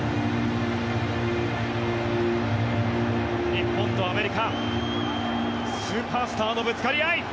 日本とアメリカスーパースターのぶつかり合い。